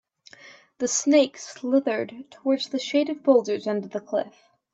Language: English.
The snake slithered toward the shaded boulders under the cliff.